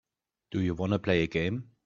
Do you want to play a game.